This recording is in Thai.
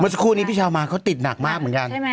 สักครู่นี้พี่ชาวมาเขาติดหนักมากเหมือนกัน